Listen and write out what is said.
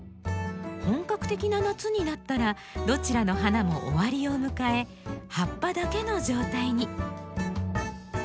本格的な夏になったらどちらの花も終わりを迎え葉っぱだけの状態に。